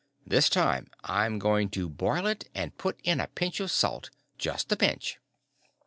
This time I'm going to boil it and put in a pinch of salt. Just a pinch."